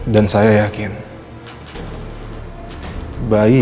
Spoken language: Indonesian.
benar yang boleh